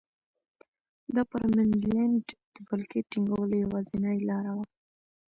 دا پر منډلینډ د ولکې ټینګولو یوازینۍ لاره وه.